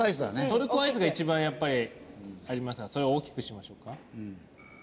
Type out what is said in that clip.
トルコアイスが一番やっぱり合いますのでそれを大きくしましょうか。